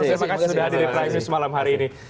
terima kasih sudah hadir di prime news malam hari ini